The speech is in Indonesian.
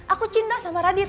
aku cinta sama radit